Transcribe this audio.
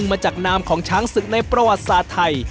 มาจากนามของช้างศึกในประวัติศาสตร์ไทย